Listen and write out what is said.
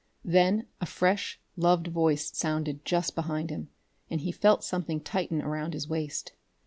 Then a fresh, loved voice sounded just behind him, and he felt something tighten around his waist.